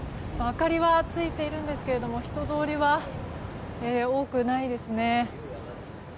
明かりはついているんですが人通りは多くないですね。